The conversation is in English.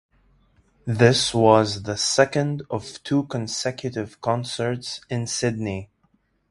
This was the second of two consecutive concerts in Sydney.